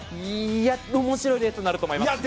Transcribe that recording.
面白いレースになると思います。